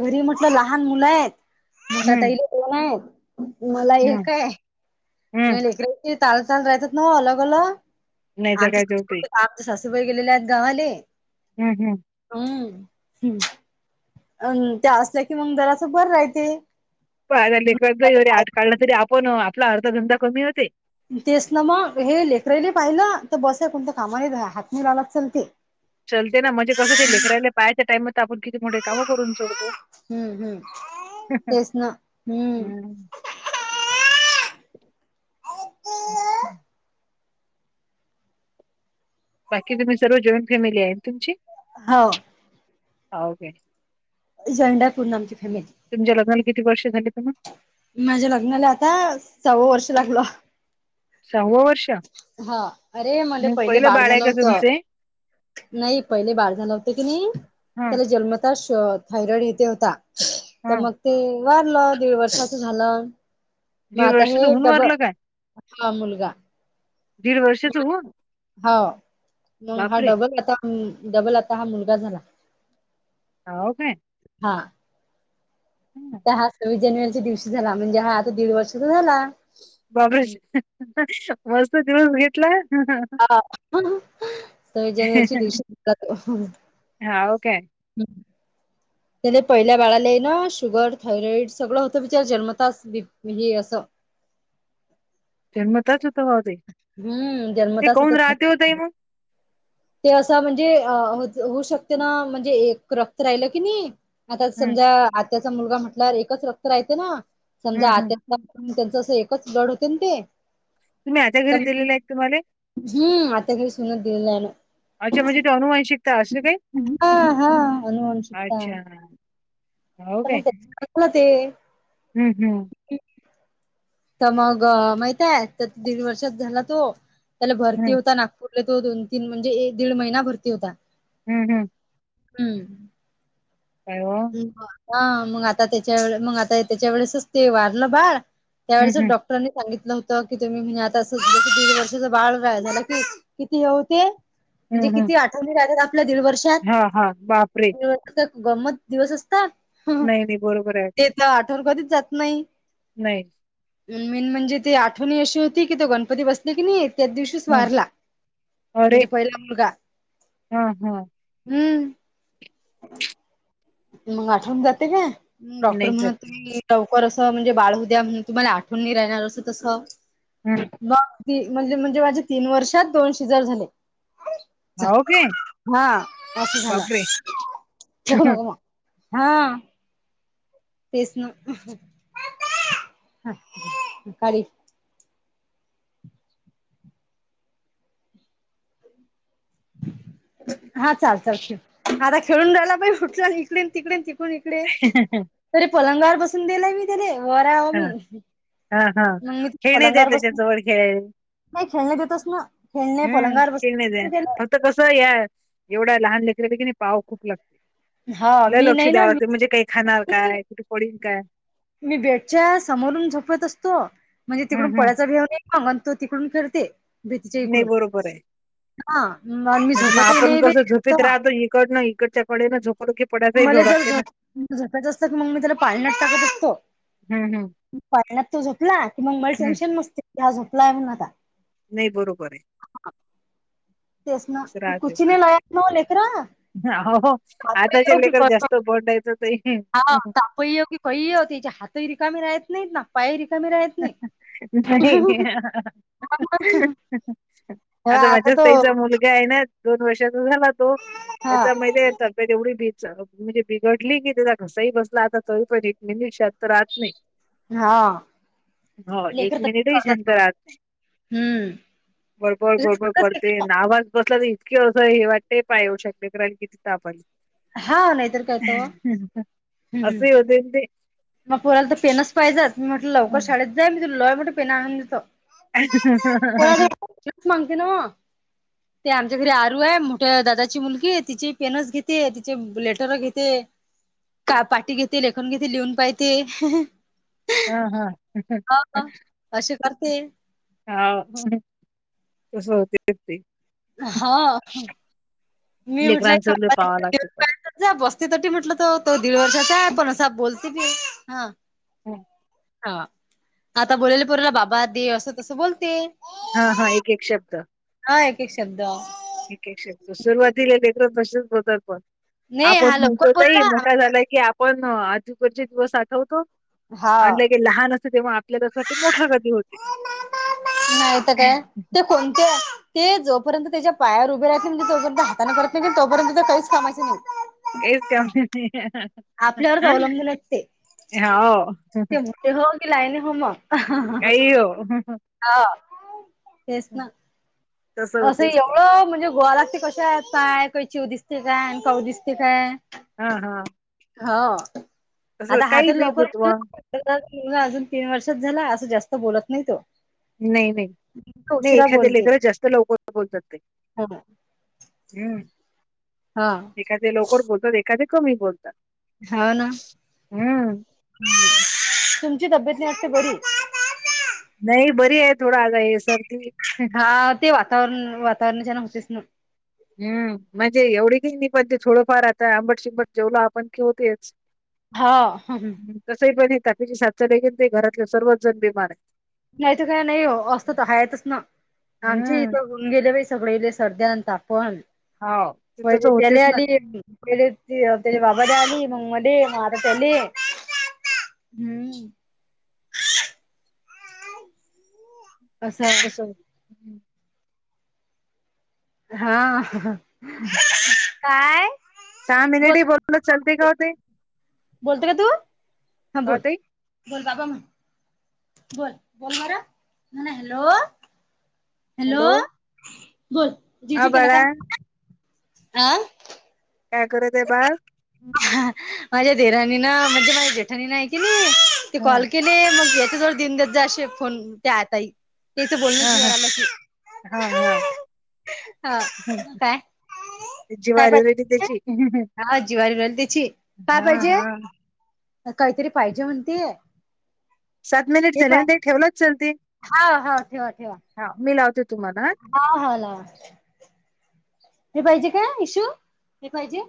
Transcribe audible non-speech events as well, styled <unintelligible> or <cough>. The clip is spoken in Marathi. घरी म्हटलं लहान मुलं आहेत. हं, <unintelligible> दोन आहे तुम्हाला हं, एक आहे हं. तुम् लेकडे चाल चाल राहतात ना अलग अलं नाही जगायचे होते. आमच्या <inaudible> सासूबाई गेलेल्या आहेत गावाले. हम् हम्. हम् हम् <unintelligible> अं त्या असल्या की मग दराचं बर राहते‌. प आता लेखदा वरे आट काढला तरी आपण आपला अर्धंदा कमी होते <unintelligible> तेच ना मग हे लेकराले पाहिलं तर बस आहे कोणत्या कामाने <unintelligible> हात म लालात चलते चलते ना म्हणजे कसं ते लेकरायला पाहायच्या टाइम आपण किती मोठे कामं करून सोडतो. हम्म हम्म तेच ना हम्म. हं. बाकी तुम्ही सर्व जॉईंट फॅमिली आहे तुमची? हौ. हो काय? जॉइंडा करून आमची फॅमिली तुमच्या लग्नाला किती वर्ष झाले त मग? माझ्या लग्नाला आता सव्वा वर्ष लागल. सव्वा वर्ष. हा अरे मला मग पहिले पहिलं बाळ आहे झालं का होतं. तुमचे? नाही पहिले बाळ झाले होतेकी नाही हां, त्याला जन्मच तश थायरॉइड इथ होता तर हां. मग ते वारलं दीड वर्षाच झालं. म दीड आता हे वर्षाचं होऊन डब वारलं काय? मुलगा. दीड वर्षाचं होऊन? हो मग हा बापरे! डबल आता डबल आता हा मुलगा झाला. हा हो काय? हा. हम्म. त्या हा सव्वीस जानेवारीच्या दिवशी झाला म्हणजे हा आता दीड वर्षचा झाला. बाबरेश मस्त दिवस भेटलाय. हा हं सव्वीस जानेवारी च्या दिवशी पण जातो. हा ओके हाय. हम्. त्या ला पहिल्या बाळाला ना शुगर थायरॉइड सगळं होत जन्मताच हे असं. जन्मताच होत ह ते हम्म ते जन्मताच कोन होतात राहते ताई मग. ते असं म्हणजे अ होऊ शकते ना म्हणजे एक रक्त राहिलं की नाही. आता हं, समजा आत्याचा मुलगा म्हटल्या एकच रक्त राहते ना समजा हं, हं. आत्या. त्यांच असं एकच ब्लड होतन ते. तुम्ही आत्या घरी दिलेले आहेत तुम्हाले? हम्म आता काही सुनत दिलेलं आहे ना. अच्छा म्हणजे ते अनुवंशीक हा हा अनिवन शिकता. अच्छा. त्या म्हणत्या ती टाकणा ते. हम्म हम् तर मग माहितीये तर तीन वर्षात झाला तो त्याला भरती हं, होता ना. पुढले तो दोन तीन म्हणजे दीड महिना भरती होता. हम्म हम्. हम्म. कायओ. हं मग आता त्याच्या व म आता त्याच्या वेळेसच ते वारलं बाळ हं, त्यावेेळेस डॉक्टर हं. डॉटरां नी सांगितलं होतं की तुम्ही म्हणजे आता असं की दीड वर्षां बाळ झाला की. किती होते म्हणजे किती आठवणी राहतात आपल्या दीड वर्ष. हा हा बापरे! आता गमत दिवस असता. नाही नाही बरोबर आहे मला आठवण कधीच जात नाही. नाही. मेन म्हणजे ती आठवण अशी होती की तो गणपती आतून बसला की नाहीेत. त्याच दिवशीच हं. वारला अरे! म्हणजे पहिला मुलगा. हां, हां. हम्म. मग आठवण जाते ना डॉक्टर नाही म्हणत जगता. होते की, लवकर असं म्हणजे बाळ होऊद्या, म्हणून तुम्हाला आठवून नाही राहणार असं तसं. हम्म. मग, ते म्हणजे, म्हणजे माझ्या तीन वर्षात दोन सीझर झाले. च हाव काय? हा अस झालं. बापरे! हा. तेच न खाली हा चाल चाल खेळ आता खेळून जायला प उटला इकडेन तिकडे ती. इकडे तरी पलंगावर बसून दिलाय मी त्याला वरा मी. हा हा. मग मी खेळणे द्या पलंगावर त्याच्या बसून जवळ खेळेल. नाही खेळण्यात येतस ना. खेळणे हम्म. पलंगावर खेळणेच हाय बसून फक्त कसं या एवढ्या लहान लेकराल की नाही पहाव खूप लागते. हो लय मी लक्ष नाही ना द्याव ते म्हणजे काही खाणार मी काय, कुठे पडीन काय. मी बेडच्या समोरून झोपत असतो म्हणजे तिकडून हम् हम् पळायचा भेव नाही. हां तो तिकडून फिरते भीतीच्या नाही इकडून. बरोबर आहे हा आणि मी नाही मग झोपतही आपण बाई कसो झोपीत जास्त राहतो, इकडनं इकडच्याकडेनं झोपलो की पडायचंही भीव मला जर लागते ना झोप-झोपयचं असतं की मग मी त्याला पाळण्यात टाकत असतो. हम्म हम् पाळण्यात तो झोपला, की मग मला हम्म टेन्शन नसते की हा झोपलाय म्हणून आता. नाही बरोबर आहे. असं <unintelligible> हा हो हो तापही आताच्या येऊ की लेकर जास्त <unintelligible> पहियो की पहियो त्याच्या हात हि रिकामी राहत नाहीत ना. पायही रिकामी राहत नाही नाही. तेव्हा आता माझ्याच तो तईचा मुलगा आहे ना. दोन वर्षाचा झाला तो हा त्याचा मैद्या येत. तेवढी बी म्हणजे बिघडली की त्याचा घसाही बसला आता तो पण एक मिनिट शात तर रात नाही. हा. हो एक लेकर तरी मिनिट हि शांत करतात रहात नाही. हम्म. बडबळ बळबळ करते नावाज बसला नाही. की असं हे वाटतं पाय येऊ शकले लेकराले किती ताप आले. हा नाहीतर काय तर हम्म हम्म अशी द ते. मग पोराला तर पेनच पाहिजेत. मी म्हटलं लवकर शाळेत जाई मी तुला लय मोठे पेन आणून देतो. <unintelligible> मांगते न्हवं. ते आमच्या घरी आरू आहे मोठ्या दादाची मुलगी. तिची पेनच घेते, तिचे लेटर घेते. का पाठीी घेते लेखन घेते लिहून पाहते हं हं हं. हा हा. असे करते हाव, तसं होतेच ते. हा मी म्हटलं लेकरांच लई पहावं लागते पण. जा बसते <unintelligible> म्हंटल तर तो दीड वर्षाचा आहे पण असा बोलते बी हा. <unintelligible> हा. आता बोलेल पोरेल बाबा दे असं तसं बोलते. हा हा एक एक शब्द. अ एक एक शब्द. एक एको सुरुवातीला लेकरा तसेच बत पण. नाही हा आपण म्हणतो लवकर तही बोलला मोठा झाला की आप- पण आजीकचे दिवस आठवतो हा. आणि लाईक. ते लहान असत तेव्हा आपल्याला असं वा मोठ गध होते. नाहीतर काय. ते कोणते ते जोपर्यंत त्याच्या पायावर उभे राहत नाही म्हणजे जोपर्यंत हाताने करत नाही, तोपर्यंत ते काहीच कामाचे नाही. <unintelligible> आपल्यावरच अवलंबून असते. हो ते ते हो की लायने हो मग. काही हो हा तेच ना, तस असं होतेच ते एवढं म्हणजे गोवाला ते क पाय काय चिऊ दिसते काय आणि काऊ दिसते काय? हा हा. हो. तस आता हा काही तर बी लवकर <unintelligible> गुतवा त्यांना मुलगा अजून तीन वर्षात झाला, असं जास्त बोलत नाही तो. नाही नाही नाही, उशिरा एखाद्या लेकर जास्त लवकर बोलावतात ते. हो हो. हम्म. हा. एखादे लकर बोलतो, एखादे कमी बोल हो ना. तुमची तब्येत नाही वाटते बरी? नाही बरी आहे, थोडा आग हे सरर्दी. हा ते वातावरण वातावरणच्या ह्यान होतेच नव. हम्म म्हणजे एवढी की नाही पण ते थोडंफार आता आंबट शिंबट जेवला, आपण क होतेच. हा हम्महम्म. तसही पण हे ताकीची साातखेन ते घरातले सर्वच जण बिमार आहे. घ्यायच काही नाही ओ, असत तर हायातच ना आमची हम्म इथ होऊन गेले बाई सगळेले सर्द्या आणि तापनं हाव ते तसं पहिले होतेच त्याला ना आली. त्याला ते त्याच्या बाबाला आली, मग मले मागच तेले. बा. <inaudible> कसं हम्म. हा. काय सहा बोल मिनिटे बोललो चलते का होते ताई? बोलत का तू? हा का ओ बोल ताई बोल बाबा म्ह बोल बोलणार? म्हण हॅलो. हॅलो झोप. हा बाळा. हा? काय करते बाळ? माझ्या दिरांनी ना म्हणजे माझ्या जेठानी ना एक तिने ते हा कॉल केले, मग याच्या जवळ देऊन देत जा असे कॉल त्या ताई तिचं बोलणंच हा हा जीवावर‌ आलं की. हा हा हा हं. काय? ते काय जिवारी रेडी पाहिजेलाय? त्याची हा जीवारी बल त्याची, काय हा पाहिजे? हा काहीतरी पाहिजे म्हणतीये. सात मिनिट जलन ते ठेवलंच चलते. हा हो ठेवा ठेवा. हा मी लावते तुम्हाला हा. हा हा लावा. हे पाहिजे का इश्यू? हे पाहिजे?